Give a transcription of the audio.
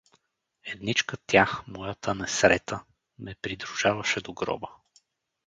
Едничка тя — моята несрета — ме придружаваше до гроба.